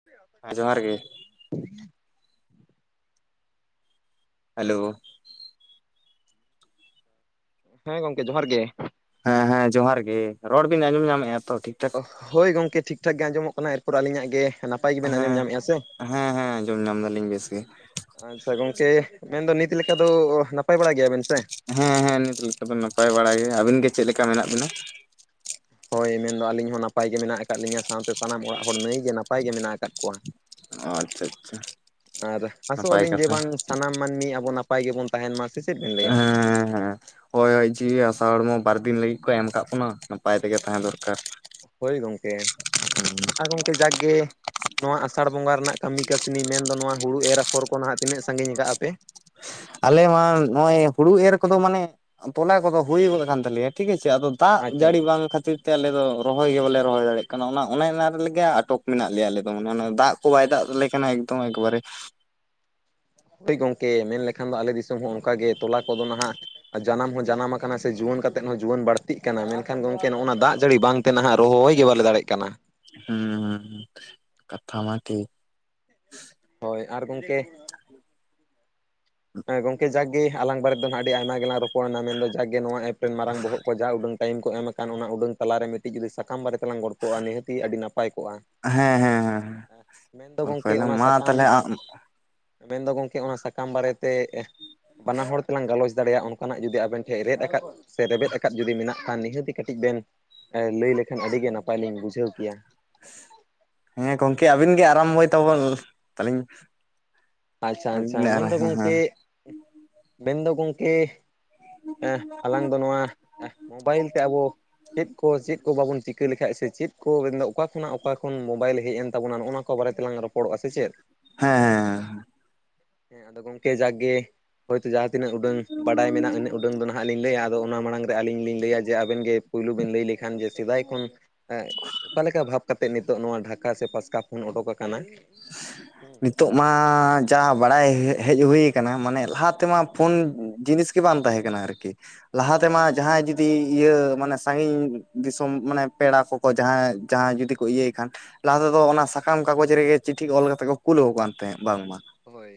[inaudible] ᱦᱮᱸ ᱡᱚᱦᱟᱨ ᱜᱮ᱾ [inaudible] ᱦᱮᱞᱳ, ᱦᱮᱸ ᱜᱚᱝᱠᱮ ᱡᱚᱦᱟᱨ ᱜᱮ᱾ ᱦᱮᱸ ᱦᱮᱸ ᱡᱚᱦᱟᱨ ᱜᱮ, ᱨᱚᱲ ᱵᱤᱱ ᱟᱸᱡᱚᱢ ᱧᱟᱢᱮᱫᱼᱟ ᱛᱚ ᱴᱷᱤᱠ? ᱴᱷᱟᱠ ᱦᱳᱭ ᱜᱚᱝᱠᱮ ᱴᱷᱤᱠ ᱴᱷᱟᱠ ᱜᱮ ᱟᱸᱡᱚᱢᱚᱜ ᱠᱟᱱᱟ, ᱮᱨᱯᱚᱨ ᱟᱹᱞᱤᱧᱟᱜ ᱜᱮ ᱱᱟᱯᱟᱭ ᱜᱮᱵᱮᱱ ᱟᱸᱡᱚᱢ ᱦᱮᱸ- ᱧᱟᱢᱮᱫᱼᱟ ᱥᱮ? ᱦᱮᱸ- ᱦᱮᱸ ᱟᱸᱡᱚᱢ ᱧᱟᱢ ᱫᱟᱞᱤᱧ, ᱵᱮᱥ ᱜᱮ᱾ ᱟᱪᱪᱷᱟ ᱜᱚᱝᱠᱮ ᱾ᱢᱮᱱᱫᱚ ᱱᱤᱛ ᱞᱮᱠᱟ ᱫᱚ᱾ ᱱᱟᱯᱟᱭ ᱵᱟᱲᱟ ᱜᱮᱭᱟ ᱵᱮᱱ ᱥᱮ? ᱦᱮᱸ- ᱦᱮᱸ ᱱᱤᱛ ᱞᱮᱠᱟ ᱫᱚ᱾ ᱱᱟᱯᱟᱭ ᱵᱟᱲᱟᱭ ᱜᱮ᱾ ᱟᱹᱵᱤᱱ ᱜᱮ ᱪᱮᱫ ᱞᱮᱠᱟ ᱢᱮᱱᱟ-ᱜ ᱵᱤᱱᱟ? ᱦᱳᱭ᱾ ᱢᱮᱱᱫᱚ ᱟᱹᱞᱤᱧ ᱦᱚᱸ ᱱᱟᱯᱟᱭ ᱜᱮ, ᱢᱮᱱᱟ-ᱜ ᱟᱠᱟᱫ ᱞᱤᱧᱟᱹ᱾ ᱥᱟᱶᱛᱮ ᱥᱟᱱᱟᱢ ᱚᱲᱟᱜ ᱦᱚᱲ, ᱱᱟᱹᱭ ᱜᱮ ᱱᱟᱯᱟᱭ ᱜᱮ ᱢᱮᱱᱟᱜ ᱟᱠᱟᱫ ᱠᱚᱣᱟ᱾ ᱚ ᱟᱪᱪᱷᱟ ᱟᱪᱪᱷᱟ ᱟᱨ ᱟᱥᱚᱸᱜ ᱱᱟᱯᱟᱭ ᱟᱞᱤᱧ ᱡᱮ, ᱠᱟᱛᱷᱟ ᱵᱟᱝ ᱥᱟᱱᱟᱢ ᱢᱟᱹᱱᱢᱤ ᱟᱵᱚ ᱱᱟᱯ ᱯᱟᱭ ᱜᱮᱵᱚᱱ ᱛᱟᱦᱮᱱ ᱢᱟ ᱾ ᱥᱮ ᱪᱮᱫ ᱵᱮᱱ ᱞᱟᱹᱭᱟ᱾ ᱦᱚᱭ - ᱦᱚᱭ ᱡᱤᱣᱤ ᱦᱟᱺᱥᱟ ᱦᱚᱲᱢᱚ, ᱵᱟᱨᱫᱤᱱ ᱞᱟᱹᱜᱤᱫ ᱠᱚ, ᱮᱢ ᱠᱟᱜ ᱵᱚᱱᱟ᱾ ᱱᱟᱯᱟᱭ ᱛᱮ-ᱜᱮ ᱛᱟᱦᱮᱸ ᱫᱚᱨᱠᱟᱨ ᱦᱩᱸ᱾ ᱮ ᱡᱟᱠ ᱜᱮ ᱱᱚᱣᱟ ᱟᱥᱟᱲ ᱵᱚᱺᱜᱟ ᱨᱮᱱᱟ-ᱜ ᱠᱟᱹᱢᱤ, ᱠᱟᱹᱥᱱᱤ, ᱢᱮᱱᱫᱚ ᱱᱚᱣᱟ ᱦᱩᱲᱩ ᱮᱨ ᱟᱯᱷᱚᱨ ᱠᱚ᱾ ᱱᱟᱦᱟ-ᱜ ᱛᱤᱱᱟᱹᱜ ᱥᱟᱺᱜᱤᱧ ᱟᱠᱟᱜ-ᱟ ᱯᱮ? ᱟᱞᱮ ᱢᱟ᱾ ᱱᱚᱜ-ᱚᱭ ᱦᱩᱲᱩ ᱮᱨ ᱠᱚᱼᱫᱚ ᱢᱟᱱᱮ᱾ ᱛᱚᱞᱟ ᱠᱚᱼᱫᱚ ᱦᱩᱭ ᱜᱚᱫ ᱠᱟᱱ᱾ ᱛᱟᱞᱮᱭᱟ ᱴᱷᱤᱠ ᱟᱪᱷᱮ ᱟᱫᱚ ᱫᱟᱜ ᱟᱪᱪᱷᱟ ᱡᱟᱹᱲᱤ ᱵᱟᱝ ᱠᱷᱟᱹᱛᱤᱨ ᱛᱮ ᱟᱞᱮ ᱫᱚ᱾ ᱨᱚᱦᱚᱭ ᱜᱮ ᱵᱟᱞᱮ ᱨᱚᱦᱚᱭ ᱫᱟᱲᱮᱭᱟ-ᱜ ᱠᱟᱱᱟ᱾ ᱚᱱᱟ - ᱚᱱᱮ ᱚᱱᱟ ᱨᱮᱜᱮ ᱟᱴᱚᱠ ᱢᱮᱱᱟ-ᱜ ᱞᱮᱭᱟ ᱟᱞᱮ᱾ ᱫᱚ ᱢᱟᱱᱮ ᱚᱱᱟ ᱫᱟᱜ ᱠᱚ ᱵᱟᱭ ᱫᱟᱜ ᱟᱞᱮ ᱠᱟᱱᱟ᱾ ᱮᱠᱫᱚᱢ ᱮᱠᱵᱟᱨᱮ᱾ ᱦᱳᱭ ᱜᱚᱝᱠᱮ᱾ ᱢᱮᱱ ᱞᱮᱠᱷᱟᱱ ᱫᱚ ᱟᱞᱮ ᱫᱤᱥᱚᱢ ᱦᱚᱸ᱾ ᱚᱱᱠᱟᱜᱮ ᱛᱚᱞᱟ ᱠᱚ-ᱫᱚ ᱱᱟᱦᱟᱜ ᱡᱟᱱᱟᱢ ᱦᱚᱸ ᱡᱟᱱᱟᱢ ᱟᱠᱟᱱᱟ᱾ ᱥᱮ ᱡᱩᱣᱟᱹᱱ ᱠᱟᱛᱮᱜ ᱦᱚᱸ᱾ ᱡᱩᱣᱟᱹᱱ ᱵᱟᱹᱲᱛᱤᱜ ᱠᱟᱱᱟ᱾ ᱢᱮᱱᱠᱷᱟᱱ ᱜᱚᱝᱠᱮ ᱱᱚᱜ ᱱᱚᱣᱟ ᱫᱟᱜ ᱡᱟᱹᱲᱤ ᱵᱟᱝ ᱛᱮ ᱱᱟᱦᱟ-ᱜ ᱨᱚᱦᱚᱭ ᱜᱮ, ᱵᱟᱞᱮ ᱫᱟᱲᱮ ᱠᱟᱱᱟ᱾ ᱦᱩᱸ - ᱦᱩᱸ ᱠᱟᱛᱷᱟ ᱢᱟ᱾ ᱴᱷᱤᱠ ᱦᱳᱭ ᱟᱨ ᱜᱚᱝᱠᱮ ᱮ ᱜᱚᱝᱠᱮ ᱡᱟᱜᱮ, ᱟᱞᱟᱝ ᱵᱟᱨᱮ ᱫᱚ ᱦᱟᱸᱜ ᱟᱹᱰᱤ ᱟᱭᱢᱟ ᱜᱮᱞᱟᱝ ᱨᱚᱯᱚᱲᱱᱟ᱾ ᱢᱮᱱᱫᱚ ᱡᱟᱜᱮ ᱱᱚᱣᱟ ᱮᱯ ᱨᱮᱱ᱾ ᱢᱟᱨᱟᱝ ᱵᱚᱦᱚᱜ ᱠᱚ ᱡᱟ ᱩᱰᱟᱹᱝ ᱴᱟᱭᱤᱢ ᱠᱚ ᱮᱢ ᱟᱠᱟᱱ᱾ ᱚᱱᱟ ᱩᱰᱟᱹᱝ ᱛᱟᱞᱟ ᱨᱮ, ᱢᱤᱫᱴᱤᱡ ᱥᱟᱠᱟᱢ ᱵᱟᱨᱮ ᱛᱮᱞᱟᱝ ᱜᱚᱲ ᱠᱚ ᱟ᱾ ᱱᱤᱦᱟᱹᱛᱤ ᱟᱹᱰᱤ ᱱᱟᱯᱟᱭ ᱠᱚᱜ-ᱟ᱾ ᱦᱮᱸ - ᱦᱮᱸ - ᱦᱮᱸ- ᱦᱮᱸ᱾ ᱢᱮᱱ ᱫᱚ ᱜᱚᱝᱠᱮ, ᱯᱳᱭᱞᱳ ᱚᱱᱟ ᱢᱟ ᱥᱟᱠᱟᱢ᱾ ᱛᱟᱦᱚᱞᱮ ᱟᱢ ᱢᱮᱱ ᱫᱚ ᱜᱚᱝᱠᱮ, ᱚᱱᱟ ᱥᱟᱠᱟᱢ ᱵᱟᱨᱮ ᱛᱮ ᱾ ᱵᱟᱱᱟ ᱦᱚᱲ ᱛᱮᱞᱟᱝ ᱜᱟᱞᱚᱪ ᱫᱟᱲᱮᱸ ᱭᱟᱜᱼᱟ᱾ ᱚᱱᱠᱟ ᱱᱟᱜ ᱡᱩᱫᱤ ᱟᱵᱮᱱ ᱴᱷᱮᱱ, ᱨᱮᱫ ᱟᱠᱟᱫ ᱥᱮ ᱨᱮᱵᱮᱫ ᱟᱠᱟᱫ᱾ ᱡᱩᱫᱤ ᱢᱮᱱᱟ-ᱜ ᱠᱷᱟᱱ ᱱᱤᱦᱟᱹᱛᱤ ᱠᱟᱹᱴᱤᱡ ᱵᱮᱱ ᱞᱟᱹᱭ ᱞᱮᱠᱷᱟᱱ᱾ ᱟᱹᱰᱤ ᱜᱮ ᱱᱟᱯᱟᱭ ᱞᱤᱧ, ᱵᱩᱡᱷᱽᱟᱹᱣ ᱠᱮᱭᱟ᱾ ᱦᱮᱸ ᱜᱚᱝᱠᱮ ᱾ ᱟᱹᱵᱤᱱ ᱜᱮ ᱟᱨᱟᱢ ᱵᱚᱭ ᱛᱟᱵᱚᱱ [unintelligible] ᱟᱪᱪᱷᱟ - ᱟᱹᱵᱤᱱ ᱟᱪᱪᱷᱟ ᱦᱮᱸ ᱢᱮᱱ ᱫᱚ ᱦᱮᱸ ᱜᱚᱝᱠᱮ᱾ ᱦᱮᱸ ᱢᱮᱱ ᱫᱚ ᱜᱚᱝᱠᱮ᱿ ᱟᱞᱟᱝ ᱫᱚ ᱱᱚᱣᱟ᱾ ᱢᱚᱵᱟ ᱭᱤᱞ ᱛᱮ, ᱟᱵᱚ ᱪᱮᱫ ᱠᱚ - ᱪᱮᱫ ᱠᱚ ᱵᱟᱵᱚᱱ [unintelligible] [unintelligible] ᱞᱮᱠᱷᱟᱡ ᱥᱮ ᱪᱮᱫ ᱠᱚ, ᱢᱮᱱ ᱫᱚ ᱚᱠᱟ ᱠᱷᱚᱱ ᱟᱜ ᱚᱠᱟ᱾ ᱠᱷᱚᱱ ᱢᱳᱵᱟᱭᱤᱞ ᱦᱮᱡ ᱮᱱ ᱛᱟᱵᱚᱱᱟ᱾ ᱱᱚᱜᱼᱚ ᱱᱚᱣᱟ ᱠᱚ ᱵᱟᱨᱮ ᱛᱮᱞᱟᱝ ᱨᱚᱯᱚᱲ ᱚᱜᱼᱟ᱾ ᱥᱮ ᱪᱮᱫ ᱦᱮᱸ- ᱦᱮᱸ᱾ ᱦᱮᱸ᱾ ᱟᱫᱚ ᱜᱚᱝᱠᱮ ᱡᱟᱜ ᱜᱮ ᱦᱳᱭ ᱛᱚ᱾ ᱡᱟᱦᱟᱸ ᱛᱤᱱᱟᱹᱜ ᱩᱰᱟᱹᱝ, ᱵᱟᱰᱟᱭ ᱢᱮᱱᱟᱜᱼᱟ᱾ ᱩᱱᱟᱹᱜ ᱩᱰᱟᱹᱝ ᱫᱚ ᱱᱟᱦᱟ-ᱜ ᱞᱤᱧ ᱞᱟᱹᱭᱟ᱾ ᱟᱫᱚ ᱚᱱᱟ ᱢᱟᱲᱟᱝ ᱨᱮ ᱟᱹᱞᱤᱧ ᱞᱤᱧ ᱞᱟᱹᱭᱟ ᱡᱮ ᱟᱵᱮᱱ ᱜᱮ ᱯᱳᱭᱞᱳ ᱵᱤᱱ ᱞᱟᱹᱭ ᱞᱮᱠᱷᱟᱱ᱾ ᱡᱮ ᱥᱮᱵᱟᱭᱚᱛᱚᱱ ᱚᱠᱟ ᱞᱮᱠᱟ ᱵᱷᱟᱵᱽ ᱠᱟᱛᱮᱫ᱾ ᱱᱤᱛᱚᱜ ᱱᱚᱣᱟ ᱰᱷᱟᱠᱟ ᱥᱮ ᱯᱟᱥᱠᱟ᱾ ᱠᱷᱳᱱ ᱚᱳᱠ ᱟᱠᱟᱱᱟ᱾ ᱦᱮᱸ ᱱᱤᱛᱚᱜ ᱢᱟ᱾ ᱡᱟ ᱵᱟᱲᱟᱭ ᱦᱮᱡ ᱦᱩᱭ ᱠᱟᱱᱟ ᱾ ᱢᱟᱱᱮ ᱞᱟᱦᱟ ᱛᱮᱢᱟ ᱯᱷᱳᱱ ᱡᱤᱱᱤᱥ ᱜᱮ ᱵᱟᱝ᱾ ᱛᱟᱦᱮᱸ ᱠᱟᱱᱟ ᱾ ᱟᱨ ᱠᱤ ᱞᱟᱦᱟ ᱛᱮ ᱢᱟ ᱾ ᱡᱟᱦᱟᱸᱭ ᱡᱩᱫᱤ ᱤᱭᱟᱹ ᱢᱟᱱᱮ, ᱥᱟᱸᱜᱤᱧ ᱫᱤᱥᱚᱢ ᱢᱟᱱᱮ ᱯᱮᱲᱟ ᱠᱚ ᱡᱟᱦᱟᱸ, ᱡᱟᱦᱟᱸᱭ ᱡᱩᱫᱤ ᱠᱚ ᱤᱭᱟᱹᱭ ᱠᱷᱟᱱ ᱾ ᱞᱟ ᱦᱟ ᱛᱮ ᱫᱚ ᱚᱱᱟ ᱥᱟᱠᱟᱢ ᱠᱟᱜᱚᱡᱽ ᱨᱮ ᱜᱮ ᱪᱤᱴᱷᱤ ᱚᱞ ᱠᱟᱛᱮ ᱠᱚ᱾ ᱠᱩᱞ ᱠᱟᱱ ᱛᱟᱦᱮᱸᱫ ᱵᱟᱝ ᱢᱟ᱾ ᱦᱳᱭ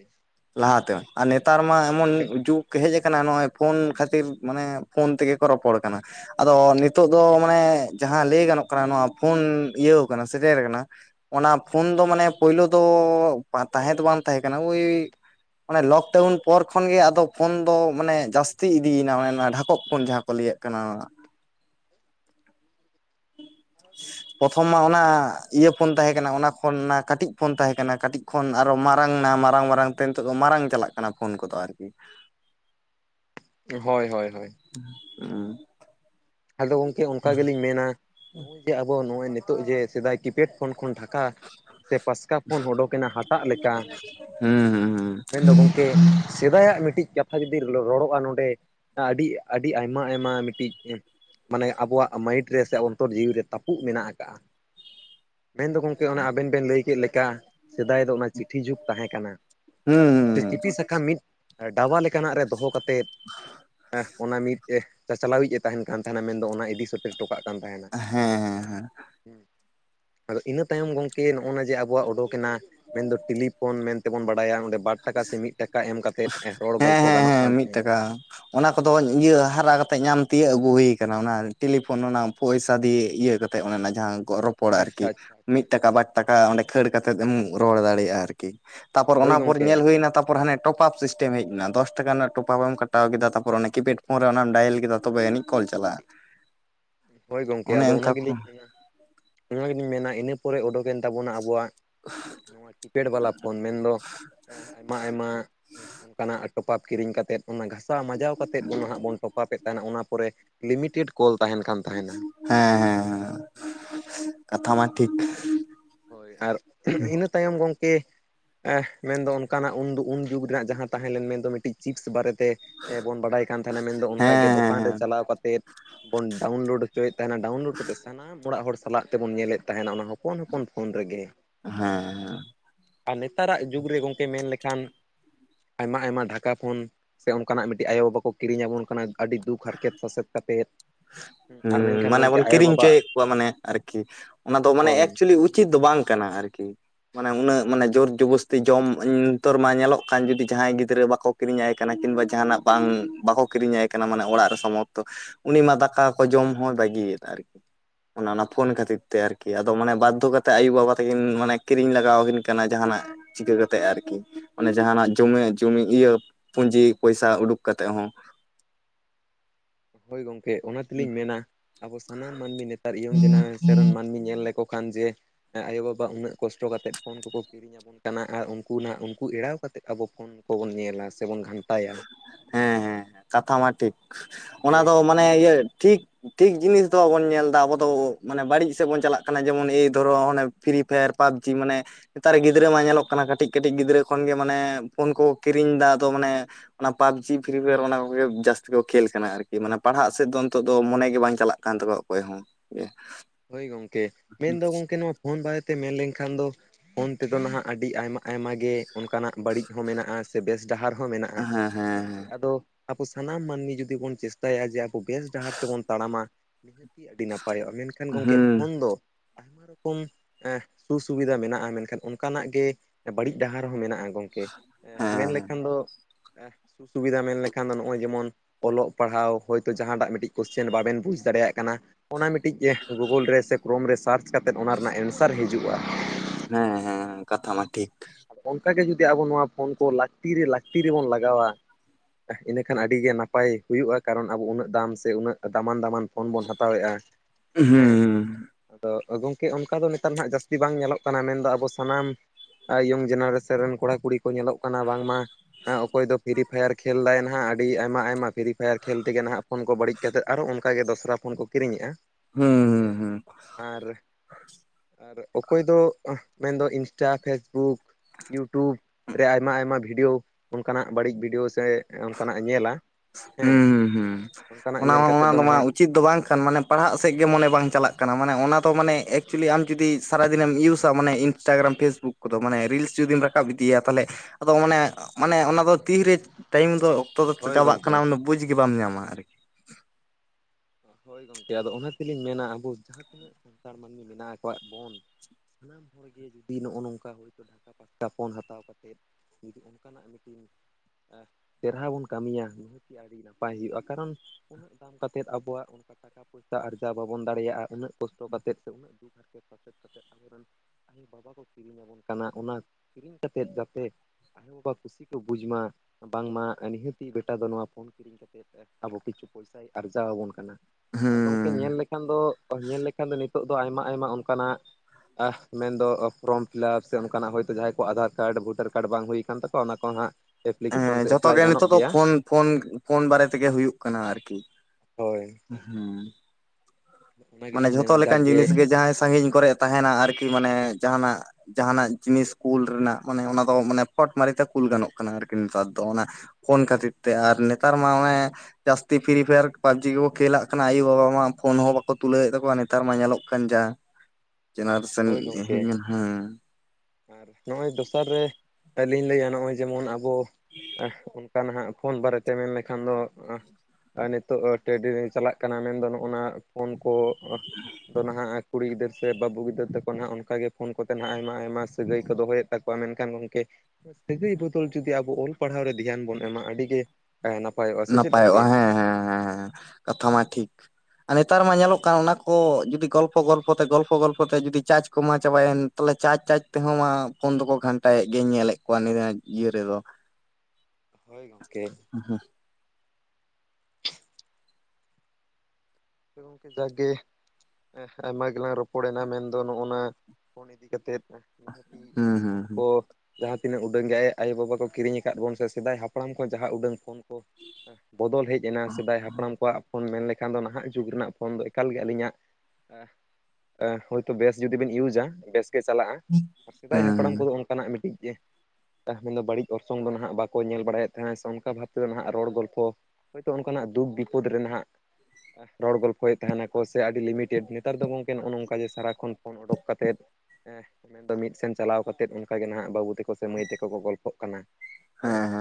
ᱞᱟᱦᱟ ᱛᱮ, ᱟᱨ ᱱᱮᱛᱟᱨ ᱢᱟ ᱦᱳᱭ ᱾ᱮᱢᱚᱱ ᱜᱚᱝᱠᱮ ᱡᱩᱜ ᱦᱮᱡ ᱟᱠᱟᱱᱟ᱾ ᱱᱚᱜᱼᱚᱭ ᱯᱷᱳᱱ ᱠᱷᱟᱹᱛᱤᱨ ᱢᱟᱱᱮ ᱯᱷᱳᱱ ᱛᱮ ᱜᱮ ᱠᱚ᱾ ᱨᱚᱯᱚᱲ ᱠᱟᱱᱟ᱾ ᱟᱫᱚ ᱱᱤᱛᱚᱜ ᱫᱚ ᱢᱟᱱᱮ, ᱡᱟᱦᱟᱸ ᱞᱟᱹᱭ ᱜᱟᱱᱚ-ᱜ ᱠᱟᱱᱟ᱾ ᱱᱚᱣᱟ ᱯᱷᱳᱱ ᱤᱭᱟᱹᱣ ᱠᱟᱱᱟ ᱥᱮᱴᱮᱨ ᱠᱟᱱᱟ᱾ ᱚᱱᱟ ᱯᱷᱳᱱ ᱫᱚ ᱢᱟᱱᱮ, ᱯᱳᱭᱞᱳ ᱫᱚ᱾ ᱛᱟᱦᱮᱸ ᱫᱚ ᱵᱟᱝ ᱛᱟᱦᱮᱸ ᱠᱟᱱᱟ᱾ ᱳᱭ-ᱼ ᱚᱱᱮ ᱞᱚᱠᱛᱟᱣᱩᱱ ᱯᱚᱨ ᱠᱷᱚᱱ ᱜᱮ ᱟᱫᱚ ᱯᱷᱳᱱ ᱫᱚ ᱢᱟᱱᱮ ᱡᱟᱹᱥᱛᱤ ᱤᱫᱤ ᱭᱮᱱᱟ ᱚᱱᱮ ᱚᱱᱟ ᱰᱷᱟᱠᱚᱵ ᱯᱷᱳᱱ ᱡᱟᱦᱟᱸ ᱠᱚ ᱞᱟᱹᱭᱟᱜ᱾ ᱠᱟᱱᱟ᱾ [inaudible] ᱯᱚᱛᱷᱚᱢ ᱢᱟ ᱚᱱᱟ ᱤᱭᱟᱹ ᱯᱷᱳᱱ ᱛᱟᱦᱮᱸ ᱠᱟᱱᱟ ᱚᱱᱟ ᱠᱷᱚᱱ ᱚᱱᱟ ᱠᱟᱹᱴᱤᱡ ᱯᱷᱳᱱ ᱛᱟᱦᱮᱸ ᱠᱟᱱᱟ ᱠᱟᱹᱴᱤᱡ ᱠᱷᱚᱱ ᱟᱨᱚ ᱢᱟᱨᱟᱝ ᱱᱟ ᱢᱟᱨᱟᱝ ᱢᱟᱨᱟᱝ ᱛᱮ ᱱᱤᱛᱳᱜ ᱫᱚ ᱢᱟᱨᱟᱝ ᱪᱟᱞᱟᱜ ᱠᱟᱱᱟ ᱯᱷᱳᱱ ᱠᱚ ᱫᱚ ᱟᱨᱠᱤ᱾ ᱦᱳᱭ ᱦᱳᱭ ᱦᱳᱭ [unintelligible] ᱟᱫᱚ ᱜᱚᱝᱠᱮ ᱚᱱᱠᱟ ᱜᱮᱞᱤᱧ ᱢᱮᱱᱟ ᱱᱩᱜᱩᱭ ᱡᱮ ᱟᱵᱚ ᱱᱚᱜ-ᱚᱭ ᱱᱤᱛᱚᱜ ᱡᱮ ᱥᱮᱫᱟᱭ ᱠᱤᱯ ᱯᱮᱰ ᱯᱷᱳᱱ ᱠᱷᱚᱱ ᱰᱷᱟᱠᱟ ᱥᱮ ᱯᱟᱥᱠᱟ ᱯᱷᱳᱱ ᱚᱰᱚᱠ ᱮᱱᱟ ᱦᱟᱴᱟᱜ ᱞᱮᱠᱟ ᱦᱩᱸ ᱦᱩᱸ ᱥᱮᱫᱟ ᱭᱟᱜ ᱢᱤᱫ ᱴᱤᱡ ᱠᱟᱛᱷᱟ ᱡᱩᱫᱤ ᱨᱚᱲᱚᱜ-ᱟ ᱱᱚᱰᱮ, ᱟᱹᱰᱤ ᱟᱹᱰᱤ ᱟᱭᱢᱟ ᱟᱭᱢᱟ ᱢᱤᱴᱤᱡ ᱢᱟᱱᱮ ᱟᱵᱚᱣᱟᱜ ᱢᱟᱭᱤᱴ ᱨᱮ ᱥᱮ ᱚᱱᱛᱚᱨ ᱡᱤᱣᱤ ᱨᱮ ᱛᱟᱹᱯᱩᱜ ᱢᱮᱱᱟᱜ ᱟᱠᱟᱜ-ᱟ᱾ ᱢᱮᱱ ᱫᱚ ᱜᱚᱝᱠᱮ ᱚᱱᱟ ᱟᱵᱮᱱ ᱵᱮᱱ ᱞᱟᱹᱭ ᱠᱮᱫ ᱞᱮᱠᱟ, ᱥᱮᱫᱟᱭ ᱫᱚ ᱚᱱᱟ ᱪᱤᱴᱷᱤ ᱡᱩᱜᱽ ᱛᱟᱦᱮᱸ ᱠᱟᱱᱟ᱾ ᱦᱩᱸ ᱥᱮ ᱦᱩᱸ ᱦᱩᱸ ᱪᱤᱴᱷᱤ ᱥᱟᱠᱟᱢ ᱢᱤᱫ ᱰᱟᱵᱟ ᱞᱮᱠᱟ ᱱᱟᱜ ᱨᱮ ᱫᱚ ᱦᱚ ᱠᱟᱛᱮᱫ [inaudible] ᱚᱱᱟ ᱢᱤᱫ ᱪᱟᱪᱞᱟᱣᱤᱡ ᱮ ᱛᱟᱦᱮᱱ ᱠᱟᱱ ᱛᱟᱦᱮ ᱱᱟ ᱢᱮᱱ ᱫᱚ ᱚᱱᱟ ᱤᱫᱤ ᱥᱮᱴᱮᱨ ᱴᱚ ᱠᱟᱜ ᱠᱟᱱ ᱛᱟᱦᱮᱱᱟ᱾ ᱦᱮᱸ ᱦᱮᱸ ᱦᱮᱸ ᱟᱫᱚ ᱤᱱᱟᱹ ᱛᱟᱭᱚᱢ ᱜᱚᱝᱠᱮ ᱱᱚᱜᱚ ᱱᱟ ᱡᱮ ᱟᱵᱚᱣᱟᱜ ᱚᱰᱚᱠ ᱮᱱᱟ ᱢᱮᱱᱫᱚ ᱴᱤᱞᱤ ᱯᱷᱳᱱ ᱢᱮᱱᱛᱮ ᱵᱚᱱ ᱵᱟᱲᱟᱭᱟ ᱚᱸᱰᱮ ᱵᱟᱴ ᱴᱟᱠᱟ ᱥᱮ ᱢᱤᱫ ᱴᱟᱠᱟ ᱮᱢ ᱠᱟᱛᱮᱫ ᱦᱚᱲ ᱦᱮᱸ ᱜᱚᱞᱯᱷᱚ ᱦᱮᱸ ᱜᱟᱱᱚᱜ ᱦᱮᱸ ᱠᱟᱱ ᱢᱤᱫ ᱛᱟᱦᱮ ᱱᱟ᱾ ᱴᱟᱠᱟ ᱚᱱᱟ ᱠᱚ ᱫᱚ ᱤᱭᱟᱹ ᱦᱟᱨᱟ ᱠᱟᱛᱮᱫ ᱧᱟᱢ ᱛᱤᱭᱟᱹᱜ ᱟᱹᱜᱩ ᱦᱩᱭ ᱠᱟᱱᱟ ᱚᱱᱟ ᱴᱮᱞᱤᱯᱷᱳᱱ ᱚᱱᱟ ᱯᱚᱭᱥᱟ ᱫᱤᱭᱮ ᱤᱭᱟᱹ ᱠᱟᱛᱮᱜ ᱚᱱᱮ ᱚᱱᱟ ᱨᱮᱱᱟᱜ ᱡᱟᱦᱟᱸ ᱜᱚᱜ ᱨᱚᱯ ᱯᱚᱲᱟ ᱟᱪᱪᱷᱟ ᱟᱨᱠᱤ ᱟᱪᱪᱷᱟ ᱟᱪᱪᱷᱟ ᱢᱤᱫ ᱴᱟᱠᱟ ᱵᱟᱴ ᱴᱟᱠᱟ ᱚᱸᱰᱮ ᱠᱷᱟᱹᱲ ᱠᱟᱛᱮᱫ ᱮᱢ ᱨᱚᱲ ᱫᱟᱲᱮ ᱭᱟᱜ-ᱟ ᱟᱨᱠᱤ ᱛᱟᱯᱚᱨ ᱦᱳᱭ ᱚᱱᱟ ᱯᱚᱨ ᱜᱚᱝᱠᱮ ᱧᱮᱞ ᱦᱩᱭᱱᱟ ᱛᱟᱯᱚᱨ ᱦᱟᱱᱮ ᱴᱚᱯ‌ ᱟᱯ ᱥᱤᱥᱴᱮᱢ ᱦᱮᱡ ᱱᱟ ᱫᱚᱥ ᱴᱟᱠᱟ ᱨᱮᱱᱟᱜ ᱴᱟᱯᱟᱯ ᱮᱢ ᱠᱟᱴᱟᱣ ᱠᱮᱫᱟ ᱛᱟᱯᱚᱨ ᱚᱱᱟ ᱠᱤᱯᱮᱰ ᱯᱷᱳᱱ ᱨᱮ ᱚᱱᱟᱢ ᱰᱟᱭᱮᱞ ᱠᱮᱫᱟ ᱛᱚᱵᱮ ᱟᱱᱤᱡ ᱠᱚᱞ ᱪᱟᱞᱟᱜ-ᱟ᱾ [inaudible] ᱦᱳᱭ ᱜᱚᱝᱠᱮ ᱟᱫᱚ ᱚᱱᱟ ᱜᱮ ᱠᱚ ᱞᱤᱧ ᱢᱮᱱᱟ ᱚᱱᱟ ᱜᱮᱞᱤᱧ ᱢᱮᱱᱟ ᱤᱱᱟᱹ ᱯᱚᱨᱮ ᱚᱰᱚᱠᱮᱱ ᱛᱟᱵᱚᱱᱟ ᱟᱵᱚᱣᱟᱜ ᱱᱚᱣᱟ ᱠᱤᱯᱮᱰ ᱵᱟᱞᱟ ᱯᱷᱳᱱ ᱢᱮᱱᱫᱚ ᱟᱭᱢᱟ ᱟᱭᱢᱟ ᱚᱱᱠᱟᱱᱟᱜ ᱴᱚᱯᱟᱯ ᱠᱤᱨᱤᱧ ᱠᱟᱛᱮᱫ ᱚᱱᱟ ᱜᱷᱟᱥᱟᱣ ᱢᱟᱡᱟᱣ ᱠᱟᱛᱮᱫ ᱵᱚᱱ ᱦᱟᱸᱜ ᱵᱚᱱ ᱴᱚᱯᱟᱯᱮᱫ ᱛᱟᱦᱮᱱᱟ ᱚᱱᱟ ᱯᱚᱨᱮ ᱞᱤᱢᱤᱴᱮᱰ ᱠᱚᱞ ᱛᱟᱦᱮᱱ ᱠᱟᱱ ᱛᱟᱦᱮᱱᱟ᱾ ᱦᱮᱸ ᱦᱮᱸ ᱠᱟᱛᱷᱟ ᱢᱟ ᱴᱷᱤᱠ᱾ ᱦᱳᱭ ᱟᱨ ᱤᱱᱟᱹ ᱛᱟᱭᱚᱢ ᱜᱚᱝᱠᱮ ᱮᱦᱸ ᱢᱮᱱᱫᱚ ᱚᱱᱠᱟᱱᱟᱜ ᱩᱱᱫᱚ ᱩᱱ ᱡᱩᱜᱽ ᱨᱮᱱᱟᱜ ᱡᱟᱦᱟᱸ ᱛᱟᱦᱮᱸ ᱞᱮᱱ ᱢᱮᱱᱫᱚ ᱢᱤᱴᱤᱡ ᱪᱤᱯᱥ ᱵᱟᱨᱮᱛᱮ ᱮ ᱵᱚᱱ ᱵᱟᱰᱟᱭ ᱠᱟᱱ ᱛᱟᱦᱮᱱᱟ ᱢᱮᱱᱫᱚ ᱚᱱᱠᱟᱜᱮ ᱦᱮᱸ ᱦᱮᱸ ᱫᱚᱠᱟᱱ ᱨᱮ ᱦᱮᱸ ᱪᱟᱞᱟᱣ ᱠᱟᱛᱮᱫ ᱵᱚᱱ ᱰᱟᱣᱩᱱᱞᱳᱰ ᱦᱚᱪᱚᱭᱮᱫ ᱛᱟᱦᱮᱱᱟ ᱰᱟᱣᱩᱱᱞᱳᱰ ᱠᱟᱛᱮᱫ ᱥᱟᱱᱟᱢ ᱚᱲᱟᱜ ᱦᱚᱲ ᱥᱟᱞᱟᱜ ᱛᱮᱵᱚᱱ ᱧᱮᱞᱮᱫ ᱛᱟᱦᱮᱱᱟ ᱚᱱᱟ ᱦᱚᱯᱚᱱ ᱦᱚ ᱯᱚᱱ ᱯᱷᱳᱱ ᱨᱮᱜᱮ᱾ ᱦᱮᱸ ᱮᱸᱻ ᱟᱨ ᱱᱮᱛᱟᱨᱟᱜ ᱡᱩᱜᱽ ᱨᱮ ᱜᱚᱝᱠᱮ ᱢᱮᱱ ᱞᱮᱠᱷᱟᱱ ᱟᱭᱢᱟ ᱟᱭᱢᱟ ᱰᱷᱟᱠᱟ ᱯᱷᱳᱱ ᱥᱮ ᱚᱱᱠᱟᱱᱟᱜ ᱢᱤᱫᱴᱤᱡ ᱟᱭᱳ ᱵᱟᱵᱟ ᱠᱚ ᱠᱤᱨᱤᱧ ᱧᱟᱵᱚᱱ ᱠᱟᱱᱟ᱾ ᱟᱹᱰᱤ ᱫᱩᱠ ᱦᱟᱨᱠᱮᱛ ᱥᱟᱥᱮᱛ ᱠᱟᱛᱮᱫ ᱟᱨ ᱦᱩᱸ ᱢᱮᱱᱠᱷᱟᱱ ᱢᱟᱱᱮ ᱜᱚᱝᱠᱮ ᱵᱚᱱ ᱠᱤᱨᱤᱧ ᱟᱭᱳᱼᱵᱟᱵᱟ ᱪᱚᱭᱮᱫ ᱠᱚᱣᱟ ᱢᱟᱱᱮ ᱟᱨᱠᱤ ᱚᱱᱟ ᱫᱚ ᱢᱟᱱᱮ ᱦᱳᱭ ᱮᱠᱪᱩᱭᱮᱞᱤ ᱩᱪ ᱪᱤᱛ ᱫᱚ ᱵᱟᱝ ᱠᱟᱱᱟ ᱟᱨᱠᱤ᱾ ᱢᱟᱱᱮ ᱩᱱᱟᱹᱜ ᱢᱟᱱᱮ ᱡᱳᱨ ᱡᱚᱵᱚᱥᱛᱤ ᱡᱚᱢ ᱤᱱᱛᱚᱨ ᱢᱟ ᱧᱮᱞᱚᱜ ᱠᱟᱱ ᱡᱩᱫᱤ ᱡᱟᱦᱟᱸᱭ ᱜᱤᱫᱽᱨᱟᱹ ᱵᱟᱠᱚ ᱠᱤᱨᱤᱧ ᱟᱭ ᱠᱟᱱᱟ ᱠᱤᱱᱵᱟ ᱡᱟᱦᱟᱱᱟᱜ ᱵᱟᱝ ᱵᱟᱠᱚ ᱠᱤᱨᱤᱧᱟᱭ ᱠᱟᱱᱟ ᱢᱟᱱᱮ ᱚᱲᱟᱜ ᱨᱮ ᱥᱚᱢᱚᱨᱛᱚ ᱩᱱᱤ ᱢᱟ ᱫᱟᱠᱟ ᱠᱚ ᱡᱚᱢ ᱦᱚᱸᱭ ᱵᱟᱹᱜᱤᱭᱮᱫ-ᱟ ᱟᱨᱠᱤ, ᱚᱱᱟ ᱚᱱᱟ ᱯᱷᱳᱱ ᱠᱷᱟᱹᱛᱤᱨ ᱛᱮ ᱟᱨᱠᱤ ᱟᱫᱚ ᱢᱟᱱᱮ ᱵᱟᱫᱽᱫᱷᱚ ᱠᱟᱛᱮᱮᱫ ᱟᱭᱩᱼᱵᱟᱵᱟ ᱛᱟᱹᱠᱤᱱ ᱢᱟᱱᱮ ᱠᱤᱨᱤᱧ ᱞᱟᱜᱟᱣ ᱟᱠᱤᱱ ᱠᱟᱱᱟ ᱡᱟᱦᱟᱱᱟᱜ ᱪᱤᱠᱟᱹ ᱠᱟᱛᱮᱫ ᱟᱨᱠᱤ, ᱚᱱᱮ ᱡᱟᱦᱟ ᱱᱟᱜ ᱡᱚᱢᱤ ᱡᱚᱢᱤ ᱤᱭᱟᱹ ᱯᱩᱸᱡᱤ ᱯᱚᱭᱥᱟ ᱩᱰᱩᱠ ᱠᱟᱛᱮᱜ ᱦᱚᱸ, ᱦᱳᱭ ᱜᱚᱝᱠᱮ ᱚᱱᱟ ᱛᱮᱞᱤᱧ ᱢᱮᱱᱟ ᱟᱵᱚ ᱥᱟᱱᱟᱢ ᱢᱟᱹᱱᱢᱤ ᱱᱮᱛᱟᱨ ᱤᱭᱚᱝ ᱡᱮᱱᱟᱨᱮᱥᱮᱱ ᱨᱮᱱ ᱢᱟᱹᱱᱢᱤ ᱧᱮᱞ ᱞᱮᱠᱚ ᱠᱷᱟᱱ ᱡᱮ ᱮᱸ ᱟᱭᱳᱼᱵᱟᱵᱟ ᱩᱱᱟᱹᱜ ᱠᱚᱥᱴᱚ ᱠᱟ ᱠᱟᱛᱮ ᱯᱷᱱ ᱠᱚᱠᱚ ᱠᱤᱨᱤᱧ ᱟᱵᱚᱱ ᱠᱟᱱᱟ ᱟᱨ ᱩᱱᱠᱩ ᱩᱱᱠᱩ ᱮᱲᱟᱣ ᱠᱟᱛᱮ ᱟᱵᱚ ᱯᱷᱳᱱ ᱠᱚᱵᱚᱱ ᱧᱮᱞᱟ ᱥᱮᱵᱚᱱ ᱜᱷᱟᱱᱴᱟᱭᱟ ᱾ ᱦᱮᱸ ᱦᱮᱸ ᱠᱟᱛᱷᱟ ᱢᱟ ᱴᱷᱤᱠ ᱚᱱᱟ ᱦᱳᱭ ᱫᱚ ᱢᱟᱱᱮ ᱢᱮᱱ ᱤᱭᱟᱹ ᱴᱷᱤᱠ ᱴᱷᱤᱠ ᱡᱤᱱᱤᱥ ᱫᱚ ᱵᱟᱵᱚᱱ ᱧᱮᱞ ᱮᱫᱟ ᱟᱵᱚ ᱢᱟᱱᱮ ᱵᱟᱹᱲᱤᱡ ᱥᱮᱫ ᱵᱚᱱ ᱪᱟᱞᱟᱜ ᱠᱟᱱᱟ ᱡᱮᱢᱚᱱ ᱮᱭ ᱫᱷᱚᱨᱚ ᱚᱱᱮ ᱯᱷᱨᱤ ᱯᱷᱟᱭᱟᱨ ᱯᱵᱡᱤ ᱢᱟᱱᱮ ᱱᱮᱛᱟᱨ ᱜᱤᱫᱽᱨᱟᱹ ᱢᱟ ᱧᱮᱞᱚᱜ ᱠᱟᱱᱟ ᱠᱟᱹᱴᱤᱡ ᱠᱟᱹᱴᱤᱡ ᱜᱤᱫᱽᱨᱟᱹ ᱠᱷᱚᱱᱜᱮ ᱢᱟᱱᱮ ᱯᱷᱳᱱ ᱠᱚ ᱠᱤᱨᱤᱧ ᱮᱫᱟ ᱛᱚ ᱢᱟᱱᱮ ᱚᱱᱟ ᱯᱟᱵᱡᱤ ᱯᱷᱨᱤ ᱯᱷᱟᱭᱟᱨ ᱚᱱᱟ ᱠᱚᱜᱮ ᱡᱟᱹᱥᱛᱤ ᱠᱚ ᱠᱷᱮᱞ ᱠᱟᱱᱟ ᱟᱨᱠᱤ ᱢᱟᱱᱮ ᱯᱟᱲᱦᱟᱜ ᱥᱮᱫ ᱫᱚ ᱱᱤᱛᱚᱜ ᱫᱚ ᱢᱚᱱᱮ ᱜᱮ ᱵᱟᱝ ᱪᱟᱞᱟᱜ ᱠᱟᱱ ᱛᱟᱠᱚᱣᱟ ᱚᱠᱚᱭ ᱦᱚᱸ ᱜᱮ ᱾ ᱦᱳᱭ ᱜᱚᱢᱠᱮ ᱢᱮᱱᱫᱚ ᱜᱚᱢᱠᱮ ᱱᱚᱣᱟ ᱯᱷᱳᱱ ᱵᱟᱨᱮᱛᱮ ᱢᱮᱱ ᱞᱮᱱᱠᱷᱟᱱ ᱫᱚ ᱯᱷᱳᱱ ᱛᱮᱫᱚ ᱱᱟᱦᱟᱜ ᱟᱹᱰᱤ ᱟᱭᱢᱟ ᱟᱭᱢᱟ ᱜᱮ ᱚᱱᱠᱟᱱᱟᱜ ᱵᱟᱹᱲᱤᱡ ᱦᱚᱸ ᱢᱮᱱᱟᱜᱼᱟ, ᱥᱮ ᱵᱮᱥ ᱰᱟᱦᱟᱨ ᱦᱚᱸ ᱢᱮᱱᱟᱜᱼᱟ ᱦᱮᱸ ᱦᱮᱸ ᱦᱮᱸ ᱾ ᱟᱫᱚ ᱟᱵᱚ ᱥᱟᱱᱟᱢ ᱢᱟᱹᱱᱢᱤ ᱡᱩᱫᱤ ᱵᱚᱱ ᱪᱮᱥᱴᱟᱭᱟ ᱡᱮ ᱟᱵᱚ ᱵᱮᱥ ᱰᱟᱦᱟᱨ ᱛᱮᱵᱚᱱ ᱛᱟᱲᱟᱢᱟ ᱟᱹᱰᱤ ᱱᱟᱯᱟᱭᱚᱜᱼᱟ, ᱢᱮᱱᱠᱷᱟᱱ ᱜᱚᱢᱠᱮ ᱦᱩᱸ ᱯᱷᱳᱱ ᱫᱚ ᱱᱟᱱᱟᱨᱚᱠᱚᱢ ᱥᱩᱠ ᱥᱩᱵᱤᱫᱟ ᱢᱮᱱᱟᱜᱼᱟ ᱢᱮᱱᱠᱷᱟᱱ ᱚᱱᱠᱟᱱᱟᱜ ᱜᱮ ᱵᱟᱹᱲᱤᱡ ᱰᱟᱦᱟᱨ ᱦᱚᱸ ᱢᱮᱱᱟᱜ ᱟᱨ ᱜᱚᱢᱠᱮ ᱢᱮᱱ ᱦᱮᱸ ᱞᱮᱠᱷᱟᱱ ᱫᱚ ᱥᱩ ᱥᱵᱤᱫᱟ ᱢᱮᱱ ᱞᱮᱠᱷᱟᱱ ᱱᱚᱜᱼᱚᱭ ᱡᱮᱢᱚᱱ ᱚᱞᱚᱜ ᱯᱟᱲᱦᱟᱣ ᱦᱚᱭᱛᱳ ᱡᱟᱦᱟᱴᱟᱜ ᱢᱤᱫᱴᱤᱡ ᱠᱚᱥᱪᱮᱱ ᱵᱟᱵᱮᱱ ᱵᱩᱡᱽ ᱫᱟᱲᱮᱭᱟᱜ ᱠᱟᱱᱟ ᱚᱱᱟ ᱢᱤᱫᱴᱤᱡ ᱜᱩᱜᱳᱩᱞ ᱨᱮ ᱥᱮ ᱠᱚᱨᱳᱢ ᱨᱮ ᱥᱟᱨᱪ ᱠᱟᱛᱮᱮᱫ ᱚᱱᱟ ᱨᱮᱱᱟᱜ ᱮᱱᱥᱟᱨ ᱦᱤᱡᱩᱜᱼᱟ ᱾ ᱦᱮᱸ ᱦᱮᱸ ᱠᱟᱛᱷᱟ ᱢᱟ ᱴᱷᱤᱠ ᱾ ᱚᱱᱠᱟ ᱜᱮ ᱡᱩᱫᱤ ᱟᱵᱚ ᱱᱚᱣᱟ ᱯᱷᱳᱱ ᱠᱚ ᱞᱟᱹᱠᱛᱤ ᱨᱮ ᱞᱟᱹᱠᱛᱤ ᱨᱮᱵᱚᱱ ᱞᱟᱜᱟᱣᱟ ᱤᱱᱟᱹᱠᱷᱟᱱ ᱟᱹᱰᱤᱜ ᱱᱟᱯᱟᱭ ᱦᱩᱭᱩᱜᱼᱟ ᱠᱟᱨᱚᱱ ᱟᱵᱚ ᱩᱱᱟᱹᱜ ᱫᱟᱢ ᱥᱮ ᱩᱱᱟᱹᱜ ᱫᱟᱢᱟᱱ ᱫᱟᱢᱟᱱ ᱯᱷᱳᱱ ᱵᱚᱱ ᱦᱟᱛᱟᱣᱮᱫᱼᱟ ᱦᱩᱸ ᱦᱮᱸ, ᱦᱩᱸ ᱟᱫᱚ ᱜᱚᱢᱠᱮ ᱚᱱᱠᱟ ᱫᱚ ᱱᱮᱛᱟᱨ ᱦᱟᱸᱜ ᱡᱟᱹᱥᱛᱤ ᱵᱟᱝ ᱧᱮᱞᱚᱜ ᱠᱟᱱᱟ ᱢᱮᱱᱫᱚ ᱟᱵᱚ ᱥᱟᱱᱟᱢ ᱤᱭᱚᱝ ᱡᱮᱱᱟᱨᱮᱥᱮᱱ ᱨᱮᱱ ᱠᱚᱲᱟ ᱠᱩᱲᱤ ᱠᱚ ᱧᱮᱞᱚᱜ ᱠᱟᱱᱟ ᱵᱟᱝᱢᱟ ᱚᱠᱚᱭ ᱫᱚ ᱯᱷᱨᱤ ᱯᱷᱟᱭᱟᱨ ᱠᱷᱮᱞ ᱫᱟᱭ ᱱᱟᱦᱟᱜ ᱟᱹᱰᱤ ᱟᱭᱢᱟ ᱟᱭᱢᱟ ᱯᱷᱨᱤ ᱯᱷᱟᱭᱟᱨ ᱠᱷᱮᱞ ᱛᱮᱜᱮ ᱱᱟᱦᱟᱜ ᱯᱷᱳᱱ ᱠᱚ ᱵᱟᱹᱲᱤᱡ ᱠᱟᱛᱮᱫ ᱟᱨᱚ ᱚᱱᱠᱟᱜ ᱜᱮ ᱫᱚᱥᱨᱟ ᱯᱷᱳᱱ ᱠᱚ ᱠᱤᱨᱤᱧᱮᱼᱟ ᱾ ᱦᱩᱸᱻ ᱦᱮᱸ ᱟᱨ ᱟᱨ ᱚᱠᱚᱭ ᱫᱚ ᱢᱮᱱᱫᱚ ᱤᱱᱥᱴᱟ ᱯᱷᱮᱥᱠ ᱵᱩᱠ ᱤᱭᱩᱴᱩᱵᱽ ᱨᱮ ᱟᱭᱢᱟ ᱟᱭᱢᱟ ᱵᱷᱤᱰᱭᱳ ᱚᱱᱠᱟᱱᱟᱜ ᱵᱟᱹᱲᱤᱡ ᱵᱷᱤᱰᱭᱳ ᱥᱮ ᱨᱮ ᱚᱱᱠᱟᱱᱟᱜ ᱮ ᱧᱮᱞᱟ, ᱦᱩᱸ ᱦᱮᱸ ᱦᱩᱸ ᱦᱩᱸ ᱚᱱᱠᱟᱱᱟᱜ ᱚᱱᱟ ᱧᱮᱞ ᱢᱟ ᱠᱟᱛᱮᱫ ᱚᱱᱟ ᱫᱚ ᱫᱚᱢᱟ ᱱᱟᱦᱟᱜ ᱩᱪᱤᱫ ᱫᱚ ᱵᱟᱝ ᱠᱟᱱ ᱢᱟᱱᱮ ᱯᱟᱲᱦᱟᱜ ᱥᱮᱫ ᱜᱮ ᱢᱚᱱᱮ ᱵᱟᱝ ᱪᱟᱞᱟᱜ ᱠᱟᱱᱟ ᱢᱟᱱᱮ ᱚᱱᱟ ᱫᱚ ᱢᱟᱱᱮ ᱮᱠᱪᱩᱭᱮᱞᱤ ᱟᱢ ᱡᱩᱫᱤ ᱥᱟᱨᱟᱫᱤᱱᱮᱢ ᱤᱭᱩᱥᱟ ᱢᱟᱱᱮ ᱤᱱᱥᱴᱟᱜᱨᱟᱢ ᱯᱷᱮᱥᱵᱩᱠ ᱠᱚᱫᱚ ᱢᱟᱱᱮ ᱨᱤᱞᱥ ᱡᱩᱫᱤᱢ ᱨᱟᱠᱟᱵ ᱤᱫᱤᱭᱟ ᱛᱟᱦᱚᱞᱮ ᱟᱫᱚ ᱚᱱᱮ ᱢᱟᱱᱮ ᱚᱱᱟ ᱫᱚ ᱛᱤᱨᱮ ᱴᱟᱭᱤᱢ ᱫᱚ ᱡᱚᱛᱚ ᱚᱠᱛᱚ ᱦᱳᱭ ᱪᱟᱵᱟᱜ ᱠᱟᱱᱟ ᱜᱚᱝᱠᱮ ᱵᱩᱡᱽ ᱜᱮ ᱵᱟᱢ ᱧᱟᱢᱟ ᱟᱨᱠᱤ ᱾ ᱦᱳᱭ ᱜᱚᱢᱠᱮ ᱟᱫᱚ ᱚᱱᱟ ᱛᱮᱞᱤᱧ ᱢᱮᱱᱟ ᱟᱵᱚ ᱡᱟᱦᱟᱸ ᱛᱤᱱᱟᱹᱜ ᱥᱟᱱᱛᱟᱲ ᱢᱟᱹᱱᱢᱤ ᱢᱮᱱᱟᱜ ᱟᱠᱟᱫ ᱵᱚᱱ ᱥᱟᱱᱟᱢ ᱦᱚᱲᱜᱮ ᱡᱩᱫᱤ ᱱᱚᱜᱼᱚ ᱱᱚᱝᱠᱟ ᱦᱳᱭᱛᱳ ᱰᱷᱟᱠᱟ ᱯᱟᱥᱴᱟ ᱯᱳᱚᱱ ᱦᱟᱛᱟᱣ ᱠᱟᱛᱮᱫ ᱡᱩᱫᱤ ᱚᱱᱠᱟᱱᱟᱜ ᱢᱤᱫᱴᱤᱱ ᱮᱸ ᱪᱮᱨᱦᱟ ᱵᱚᱱ ᱠᱟᱹᱢᱤᱭᱟ ᱱᱚᱣᱟ ᱠᱤ ᱟᱹᱰᱤ ᱱᱟᱯᱟᱭ ᱦᱤᱡᱩᱜᱼᱟ ᱠᱟᱨᱚᱱ ᱩᱱᱟᱹᱜ ᱫᱟᱢ ᱠᱟᱛᱮᱫ ᱟᱵᱚᱣᱟᱜ ᱚᱱᱠᱟ ᱴᱟᱠᱟ ᱯᱚᱭᱥᱟ ᱟᱨᱡᱟᱣ ᱵᱟᱵᱚᱱ ᱫᱟᱲᱮᱭᱟᱜᱼᱟ ᱩᱱᱟᱹᱜ ᱠᱚᱥᱴ ᱠᱟᱛᱮᱫ ᱥᱮ ᱩᱱᱟᱹᱜ ᱫᱩᱠ ᱥᱮᱫᱛᱮᱫ ᱟᱵᱚᱨᱮᱱ ᱟᱭᱳᱼᱵᱟᱵᱟ ᱠᱚ ᱠᱤᱨᱤᱧ ᱟᱵᱚᱱ ᱠᱟᱱᱟ ᱚᱱᱟ ᱠᱤᱨᱤᱧ ᱠᱟᱛᱮᱫ ᱡᱟᱛᱮᱼᱼ ᱟᱭᱩ ᱵᱟᱵᱟ ᱠᱩᱥᱤ ᱠᱚ ᱵᱩᱡᱽ ᱢᱟ ᱵᱟᱝᱢᱟ ᱱᱤᱦᱟᱹ ᱛᱤ ᱵᱮᱴᱟ ᱫᱚ ᱱᱚᱣᱟ ᱯᱷᱳᱱ ᱠᱤᱨᱤᱧ ᱠᱟᱛᱮᱼᱼ ᱟᱵᱚ ᱠᱤᱪᱷᱩ ᱯᱚᱭᱥᱟᱭ ᱟᱨᱡᱟᱣ ᱟᱵᱚᱱ ᱠᱟᱱᱟ ᱟᱨ ᱜᱚᱢᱠᱮᱼᱼ ᱠᱤᱱ ᱦᱩᱸ ᱧᱮᱞ ᱞᱮᱠᱷᱟᱱ ᱫᱚ ᱧᱮᱞ ᱞᱮᱠᱷᱟᱱ ᱫᱚ ᱱᱤᱛᱚᱜ ᱫᱚ ᱟᱭᱢᱟ ᱟᱭᱢᱟ ᱚᱱᱠᱟᱱᱟᱜᱼᱼ ᱟᱡ ᱢᱮᱱᱫᱚ ᱯᱷᱨᱚᱢ ᱯᱷᱤᱞᱟᱯ ᱥᱮ ᱚᱱᱠᱟᱱᱟᱜ ᱦᱳᱭᱛᱳ ᱡᱟᱦᱟᱸᱭ ᱠᱚ ᱟᱫᱷᱟᱨ ᱠᱟᱨᱰ ᱵᱷᱳᱴᱟᱨ ᱠᱟᱨᱰ ᱵᱟᱝ ᱦᱩᱭ ᱟᱠᱟᱱ ᱛᱟᱠᱚᱣᱟ ᱚᱱᱟ ᱠᱚ ᱦᱟᱸᱜᱼᱼ ᱮᱯᱞᱤᱠᱮᱥᱚᱱ ᱥᱮ ᱡᱚᱛᱚ ᱮᱯᱞᱟᱭ ᱜᱮ ᱜᱟᱱᱚᱜ ᱱᱤᱛᱚᱜ ᱫᱚ ᱜᱮᱭᱟ᱾ ᱯᱷᱳᱱ ᱯᱷᱳᱱ ᱯᱷᱳᱱ ᱵᱟᱨᱮ ᱛᱮᱜᱮ ᱦᱩᱭᱩᱜ ᱠᱟᱱᱟ ᱟᱨᱠᱤ᱾ ᱦᱳᱭ ᱦᱩᱸ ᱚᱱᱟ ᱢᱟᱱᱮ ᱜᱮᱞᱤᱧ ᱡᱷᱚᱛᱚ ᱢᱮᱱᱟ ᱞᱮᱠᱟᱱ ᱡᱟᱠᱜᱮ ᱡᱤᱱᱤᱥ ᱜᱮ ᱡᱟᱦᱟᱸᱭ ᱥᱟᱺᱜᱤᱧ ᱠᱚᱨᱮᱜ ᱛᱟᱦᱮᱱᱟ ᱟᱨᱠᱤ ᱢᱟᱱᱮ ᱡᱟᱦᱟᱱᱟᱜ ᱡᱟᱦᱟᱸᱱᱟᱜ ᱡᱤᱱᱤᱥ ᱠᱩᱞ ᱨᱮᱱᱟᱜ ᱢᱟᱱᱮ ᱚᱱᱟ ᱫᱚ ᱢᱟᱱᱮ ᱯᱚᱴ ᱢᱟᱨᱤᱛᱮ ᱠᱩᱞ ᱜᱟᱱᱚᱜ ᱠᱟᱱᱟ ᱟᱨᱠᱤ ᱱᱮᱛᱟᱨ ᱫᱚ᱾ ᱛᱚ ᱚᱱᱟ ᱯᱷᱳᱱ ᱠᱷᱟᱹᱛᱤᱨᱼᱼ ᱛᱮ ᱟᱨ ᱱᱮᱛᱟᱨ ᱢᱟ ᱚᱱᱮ ᱡᱟᱹᱥᱛᱤ ᱯᱷᱤᱨᱤ ᱯᱷᱟᱭᱟᱨ ᱯᱟᱵᱡᱤ ᱠᱚᱠᱚ ᱠᱷᱮᱞᱟᱜ ᱠᱟᱱᱟ ᱟᱭᱩᱵᱟᱵᱟ ᱢᱟ ᱯᱷᱳᱱ ᱦᱚᱸ ᱵᱟᱼᱼ ᱠᱚ ᱛᱩᱞᱟᱹᱣᱮᱫ ᱛᱟᱠᱚᱣᱟ ᱱᱮᱛᱟᱨ ᱢᱟ ᱧᱮᱞᱚᱜ ᱠᱟᱱ ᱡᱟ ᱡᱮᱱᱟᱨᱮᱥᱚᱱ ᱦᱳᱭ ᱦ ᱜᱚᱝᱠᱮ ᱦᱩᱸ᱾ ᱟᱨ ᱱᱚᱜᱼᱚᱭ ᱫᱚᱥᱟᱨ ᱨᱮ ᱟᱹᱞᱤᱧ ᱞᱟᱹᱭᱟ ᱱᱚᱜᱼᱚᱭ ᱡᱮᱢᱚᱱᱼᱼ ᱚ ᱚᱱᱠᱟᱱᱟᱜ ᱦᱟᱜ ᱯᱷᱳᱱ ᱵᱟᱨᱮᱛᱮᱼᱼ ᱛᱮ ᱢᱮᱱᱞᱠᱷᱟᱱ ᱫᱚ ᱱᱤᱛᱚᱜ ᱴᱨᱮᱰᱤ ᱪᱟᱞᱟᱜ ᱠᱟᱱᱟ ᱢᱮᱱᱫᱚ ᱱᱚᱜᱼᱱᱟ ᱯᱷᱳᱱ ᱠᱚ᱾ ᱚ ᱱᱟᱦᱟᱜ ᱠᱩᱲᱤ ᱜᱤᱫᱟᱹᱨ ᱥᱮ ᱵᱟᱹᱵᱩ ᱜᱤᱫᱟᱹᱨ ᱛᱟᱠᱚ ᱱᱟᱦᱜ ᱚᱱᱠᱟ ᱜᱮ ᱯᱷᱳᱱ ᱠᱚᱛᱮ ᱱᱟᱦᱟᱜ ᱟᱭᱢᱟ ᱟᱭᱢᱟᱼᱼ ᱥᱟᱹᱜᱟᱹᱭ ᱠᱚ ᱫᱚᱦᱚᱭᱮᱫ ᱛᱟᱠᱚᱣᱟ ᱢᱮᱱᱠᱷᱟᱱ ᱜᱚᱝᱠᱮᱼᱼ ᱥᱟᱹᱜᱟ. ᱭ ᱵᱚᱫᱚᱞ ᱡᱩᱫᱤ ᱟᱵᱚ ᱚᱞ ᱯᱟᱲᱦᱟᱣ ᱨᱮ ᱫᱷᱮᱭᱟᱱ ᱵᱚᱱ ᱮᱢᱟᱜ-ᱟ ᱟᱹᱰᱤᱜᱮᱼᱼ ᱦᱮᱸ ᱱᱟᱯᱟᱭᱚᱜ-ᱟ᱾ ᱱᱟᱯᱟᱭᱚᱜᱼᱟ ᱦᱮᱸ ᱦᱮᱸ ᱦᱮᱸ᱾ ᱠᱟᱛᱷᱟ ᱢᱟ ᱴᱷᱤᱠ ᱟᱨ ᱱᱮᱛᱟᱨ ᱢᱟ ᱧᱮᱞᱚᱜ ᱠᱟᱱ ᱚᱱᱟ ᱠᱚ ᱡᱩᱫᱤ ᱜᱚᱞᱯᱼᱼ ᱜᱚᱞᱯᱚ ᱜᱚᱞᱯᱚ ᱛᱮ ᱜᱚᱞᱯᱚ ᱜᱚᱞᱯᱚ ᱛᱮ ᱡᱩᱫᱤ ᱪᱟᱨᱡᱽ ᱠᱚ ᱮᱢᱟ ᱪᱟᱵᱟᱭᱮᱱ ᱛᱟᱦᱚᱞᱮ ᱪᱟᱡᱽ ᱪᱟᱨᱡᱽ ᱛᱮᱦᱚᱸ ᱢᱟ ᱯᱷᱳᱱ ᱫᱚᱠᱚ ᱜᱷᱟᱱᱴᱟᱭᱮᱫ ᱜᱮ ᱧᱮᱞᱮᱫ ᱯᱟ ᱱᱤᱭᱟ. ᱤᱭᱟᱹ ᱨᱮ ᱫᱚ᱾ ᱦᱳᱭ ᱜᱚᱢᱠᱮ ᱦᱩᱦᱩᱜ [inaudible] ᱡᱟᱠᱜᱮ ᱟᱭᱢᱟ ᱜᱮᱞᱟᱝ ᱨᱚᱯᱚᱲᱮᱱᱟ ᱢᱮᱱᱫᱚ ᱱᱚᱜᱼᱱᱟᱼᱼ ᱯᱷᱳᱱ ᱤᱫᱤ ᱠᱟᱛᱮᱫ ᱠᱚ ᱦᱩᱸ ᱯᱷᱳᱱ ᱦᱩᱸ ᱠᱚ ᱼᱼ ᱡᱟᱦᱟᱸ ᱛᱤᱱᱟᱹᱜ ᱩᱰᱟᱹᱝ ᱜᱮ ᱟᱭᱳᱼᱵᱟᱵᱟ ᱠᱚ ᱠᱤᱨᱤᱧ ᱟᱠᱟᱫ ᱵᱚᱱ ᱥᱮ ᱥᱮᱫᱟᱭ ᱦᱟᱯᱲᱟᱢ ᱠᱷᱚᱱ ᱡᱟᱦᱟᱸ ᱩᱰᱟᱹᱝ ᱠᱷᱚᱱᱼᱼ ᱵᱚᱫᱚᱞ ᱦᱮᱡ ᱮᱱᱟ ᱥᱮᱫᱟᱭ ᱦᱟᱯᱲᱟᱢ ᱠᱚᱣᱟᱜ ᱯᱷᱳᱱ ᱢᱮᱱ ᱞᱮᱠᱷᱟᱱ ᱫᱚ ᱱᱟᱦᱟᱜᱼᱼ ᱡᱩᱜᱽ ᱨᱮᱱᱟᱜ ᱯᱷᱳᱱ ᱫᱚ ᱮᱠᱟᱞᱜᱮ ᱟᱹᱞᱤᱧᱟᱜ ᱦᱳᱭᱛᱳ ᱵᱮᱥ ᱡᱩᱫᱤ ᱵᱤᱱ ᱤᱭᱩᱡᱟ ᱵᱮᱥᱼᱼ ᱜᱮ ᱪᱟᱞᱟᱜᱼᱟ ᱥᱮᱫᱟᱭ ᱦᱩᱸ ᱦᱟᱯᱲᱟᱢ ᱦᱩᱸ ᱠᱚᱫᱚ ᱚᱱᱠᱟᱱᱟᱜ ᱢᱤᱫᱴᱤᱡ ᱜᱮᱼᱼ ᱛᱟᱦᱚᱞᱮ ᱵᱟᱹᱲᱤᱡ ᱚᱨᱥᱚᱝ ᱫᱚ ᱱᱟᱦᱟᱜ ᱵᱟᱠᱚ ᱧᱮᱞ ᱵᱟᱲᱟᱭᱮᱫ ᱛᱟᱦᱮᱸᱫ ᱥᱮ ᱚᱱᱠᱟ ᱵᱷᱟᱵᱛᱮ ᱱᱟᱦᱟᱜ ᱨᱚᱲ ᱜᱚᱞᱯᱷᱚᱼᱼ ᱦᱳᱭᱛᱳ ᱚᱱᱠᱟᱱᱟᱜ ᱫᱩᱠ ᱵᱤᱯᱚᱫ ᱨᱮ ᱱᱟᱦᱟᱜᱼᱼ ᱨᱚᱲ ᱜᱚᱞᱯᱷᱚᱭ ᱛᱟᱦᱮᱱᱟᱠᱚ ᱥᱮ ᱟᱹᱰᱤ ᱞᱤᱢᱤᱴᱮᱰ ᱱᱮᱛᱟᱨ ᱫᱚ ᱜᱚᱝᱠᱮ ᱱᱚᱜᱼᱚ ᱱᱚᱝᱠᱟ ᱡᱮ ᱥᱟᱨᱟ ᱠᱷᱚᱱ ᱯᱷᱳᱱ ᱚᱰᱳᱠ ᱠᱟᱛᱮᱫᱼᱼ ᱦᱮᱸ ᱢᱤᱫ ᱥᱮᱱ ᱪᱟᱞᱟᱣ ᱠᱟᱛᱮ ᱚᱱᱠᱟ ᱜᱮ ᱱᱟᱦᱜ ᱵᱟᱹᱵᱩᱼᱼ ᱛᱮᱠᱚ ᱥᱮ ᱢᱟᱹᱭ ᱛᱮᱠᱚ ᱠᱚ ᱜᱚᱞᱯᱚᱜ ᱠᱟᱱᱟ ᱦᱮᱸ,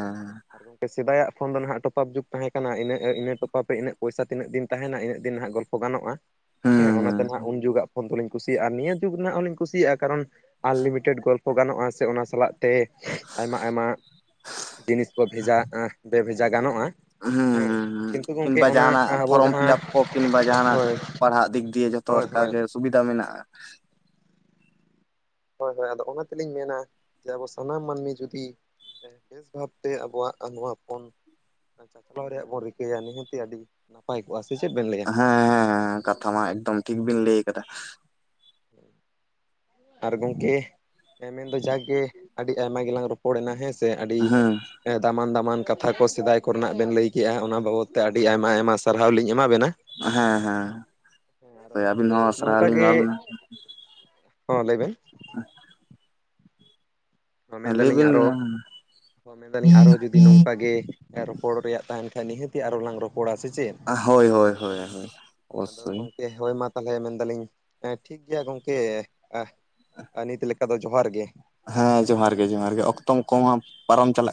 ᱟᱨ ᱜᱚᱢᱠᱮ ᱥᱮᱫᱟᱭᱟᱜ ᱯᱷᱳᱱ ᱫᱚ ᱱᱟᱦᱟᱜ ᱴᱚᱯᱟᱯ ᱡᱩᱜᱽ ᱛᱟᱦᱮᱸ ᱠᱟᱱᱟ ᱩᱱᱟᱹ ᱤᱱᱟᱹ ᱴᱚᱯ ᱨᱮᱱᱟᱹᱜ ᱯᱚᱭᱥᱟ ᱛᱤᱱᱟᱹᱜ ᱫᱤᱱ ᱛᱟᱦᱮᱱᱟ ᱤᱱᱟᱹᱜ ᱫᱤᱱ ᱱᱟᱦᱟᱜ ᱜᱚᱞᱯᱷᱚ ᱜᱟᱱᱚᱜᱼᱟ ᱦᱩᱸ ᱦᱮᱸ ᱚᱱᱟᱛᱮ ᱦᱩᱸ ᱱᱟᱦᱟᱜ ᱩᱱ ᱡᱩᱜᱟᱜᱼᱼ ᱯᱷᱚᱱ ᱫᱚᱞᱤᱧ ᱠᱩᱥᱤᱭᱟᱜᱼᱟ ᱟᱨ ᱱᱤᱭᱟᱹ ᱡᱩᱜᱽ ᱨᱮᱱᱟᱜ ᱦᱚᱞᱤᱧ ᱠᱩᱥᱤᱭᱟᱜᱼᱟ ᱠᱟᱨᱚᱱ ᱟᱱᱞᱤᱢᱤᱴᱮᱰ ᱜᱚᱞᱯᱷᱚ ᱜᱟᱱᱚᱜᱼᱟ ᱥᱮ ᱚᱱᱟ ᱥᱟᱞᱟᱜ ᱛᱮ ᱟᱭᱢᱟ ᱟᱭᱢᱟ ᱡᱤᱱᱤᱥ ᱠᱚ ᱵᱷᱮᱡᱟ ᱵᱮᱼ ᱵᱷᱮᱡᱟ ᱜᱟᱱᱚᱜᱼᱟ᱾ ᱦᱩᱸ ᱦᱩᱸ ᱦᱮᱸ ᱦᱩᱸ ᱠᱤᱱᱛᱩ ᱜᱚᱝᱠᱮ ᱠᱤᱝᱵᱟ ᱚᱱᱟ ᱡᱟᱦᱟᱱᱟᱜ ᱟᱵᱚᱼᱼ ᱯᱷᱚᱨᱚᱢ ᱯᱷᱤᱞᱟᱯ ᱠᱚ ᱠᱤᱱᱵᱟ ᱡᱟᱦᱱᱟᱜ ᱯᱟᱲᱦᱟᱜ ᱫᱤᱠ ᱫᱤᱭᱮ ᱡᱷᱚᱛᱚ ᱦᱳᱭ ᱦᱳᱭ ᱞᱮᱠᱟᱜᱮ ᱥᱩᱵᱤᱫᱷᱟ ᱟᱫᱚ ᱢᱮᱱᱟᱜᱼᱟ᱾ ᱦᱳᱭ ᱦᱳᱭ ᱟᱫᱚ ᱚᱱᱟ ᱛᱮᱞᱤᱧ ᱢᱮᱱᱟ ᱡᱮ ᱟᱵᱚ ᱥᱟᱱᱟᱢ ᱢᱟᱹᱱᱢᱤ ᱡᱩᱫᱤᱼᱼ ᱵᱮᱥ ᱵᱷᱟᱵᱛᱮ ᱟᱵᱚᱣᱟᱜ ᱱᱚᱣᱟ ᱯᱚᱱ ᱪᱟᱪᱞᱟᱣ ᱨᱮᱭᱟᱜ ᱵᱚᱱ ᱨᱤᱠᱟᱹᱭᱟ ᱱᱤᱦᱟᱹᱛᱤ ᱟᱹᱰᱤ ᱱᱟᱯᱟᱭ ᱠᱚᱜ-ᱟ ᱥᱮ ᱪᱮᱫ ᱵᱮᱱ ᱞᱟᱹᱭ ᱦᱮᱸ ᱦᱮᱸ ᱦᱮᱸ ᱠᱟᱛᱷᱟ ᱢᱟ ᱮᱠᱫᱚᱢ ᱴᱷᱤᱠ ᱵᱤᱱ ᱞᱟᱹᱭ ᱠᱟᱫᱟ᱾ ᱟᱨ ᱜᱚᱝᱠᱮ ᱢᱮᱱᱫᱚ ᱡᱟᱠᱜᱮ ᱟᱹᱰᱤ ᱟᱭᱢᱟ ᱜᱮᱞᱟᱝ ᱨᱚᱯᱚᱲᱮᱱᱟ ᱦᱮᱸ ᱥᱮ ᱟᱹᱰᱤ ᱦᱮᱸ ᱮ ᱫᱟᱢᱟᱱ ᱫᱟᱢᱟᱱ ᱠᱟᱛᱷᱟ ᱠᱚ ᱥᱮᱫᱟᱭ ᱠᱚᱨᱮᱱᱟᱜ ᱵᱮᱱ ᱞᱟᱹᱭ ᱠᱮᱜ-ᱟ ᱚᱱᱟ ᱵᱟᱵᱚᱛ ᱛᱮ ᱟᱹᱰᱤ ᱟᱭᱢᱟ ᱟᱭᱢᱟ ᱥᱟᱨᱦᱟᱣ ᱞᱤᱧ ᱮᱢᱟᱵᱮᱱᱟ᱾ ᱦᱮᱸ ᱦᱮᱸ ᱟᱹᱵᱤᱱ ᱦᱚᱸ ᱥᱟᱨᱦᱟᱣ ᱱᱚᱝᱠᱟ ᱞᱤᱧ ᱮᱢᱟ ᱜᱮ ᱵᱮᱱᱟ᱾ ᱦᱚᱸ ᱞᱟᱹᱭᱵᱮᱱ [unintelligible] ᱢᱮᱱ ᱞᱟᱹᱭ ᱫᱟᱞᱤᱧ ᱵᱤᱱ ᱟᱨᱚ ᱢᱮᱱᱫᱟᱞᱤᱧ ᱟᱨᱚ ᱡᱩᱫᱤ ᱱᱚᱝᱠᱟ ᱜᱮ ᱨᱚᱯᱚᱲ ᱨᱮᱭᱟᱜ ᱛᱟᱦᱮᱱ ᱠᱷᱟᱡ ᱱᱤᱦᱟᱹᱛᱤ ᱟᱨᱚ ᱞᱟᱝ ᱨᱚᱯᱚᱲᱟ, ᱥᱮ ᱪᱮ? ᱦᱳᱭ ᱦᱳᱭ ᱦᱳᱭ ᱦᱳᱭ ᱟᱫᱚ ᱳᱵᱚᱥᱳᱭ᱾ ᱜᱚᱝᱠᱮ ᱦᱳᱭ ᱢᱟ ᱛᱟᱦᱞᱮ ᱢᱮᱱᱫᱟᱞᱤᱧ ᱴᱷᱤᱠ ᱜᱮᱭᱟ ᱜᱚᱝᱠᱮ ᱱᱤᱛ ᱞᱮᱠᱟ ᱫᱚ ᱡᱚᱦᱟᱨ ᱜᱮ᱾ ᱦᱮᱸ ᱡᱚᱦᱟᱨ ᱜᱮ ᱡᱚᱦᱟᱨᱜᱮ ᱚᱠᱛᱚ ᱠᱚᱢᱟ ᱯᱟᱨᱚᱢ ᱪᱟᱞᱟᱜ